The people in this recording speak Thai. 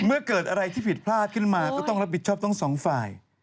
เมื่อเกิดอะไรที่ผิดพลาดขึ้นมาก็ต้องรับผิดชอบทั้งสองฝ่าย